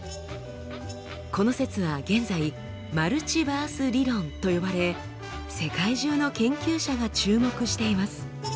この説は現在「マルチバース理論」と呼ばれ世界中の研究者が注目しています。